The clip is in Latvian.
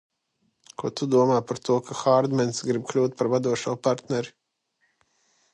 Ko tu domā par to, ka Hārdmans grib kļūt par vadošo partneri?